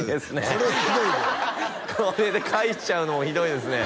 これひどいでこれで帰しちゃうのもひどいですね